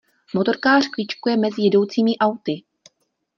Motorkář kličkuje mezi jedoucími auty.